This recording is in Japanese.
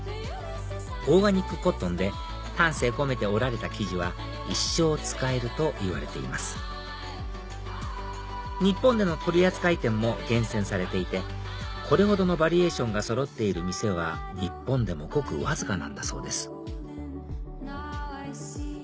オーガニックコットンで丹精込めて織られた生地は一生使えるといわれています日本での取り扱い店も厳選されていてこれほどのバリエーションがそろっている店は日本でもごくわずかなんだそうです